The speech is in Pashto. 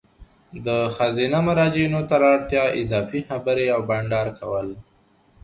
د ښځینه مراجعینو تر اړتیا اضافي خبري او بانډار کول